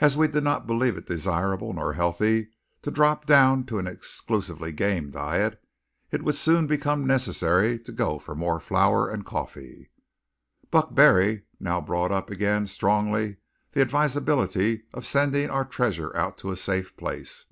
As we did not believe it desirable nor healthy to drop down to an exclusively game diet, it would soon become necessary to go for more flour and coffee. Buck Barry now brought up again strongly the advisability of sending our treasure out to a safe place.